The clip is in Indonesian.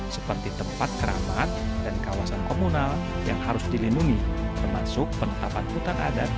seperti tempat kerabat dan kawasan komunal yang harus dilindungi termasuk penetapan hutan adat